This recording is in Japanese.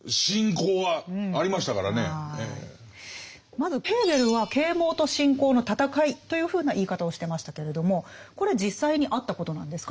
まずヘーゲルは「啓蒙と信仰の戦い」というふうな言い方をしてましたけれどもこれ実際にあったことなんですか？